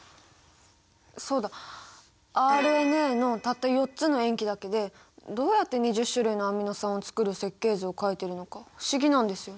そうだ！ＲＮＡのたった４つの塩基だけでどうやって２０種類のアミノ酸を作る設計図を描いてるのか不思議なんですよ。